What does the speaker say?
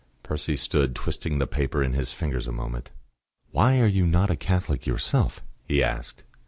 Percy stood twisting the paper in his fingers a moment. "Why are you not a Catholic yourself?" he asked.